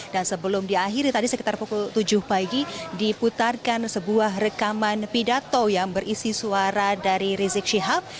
dan sebelum diakhiri tadi sekitar pukul tujuh pagi diputarkan sebuah rekaman pidato yang berisi suara dari rizik sihab